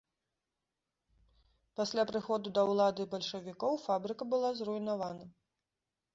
Пасля прыходу да ўлады бальшавікоў фабрыка была зруйнавана.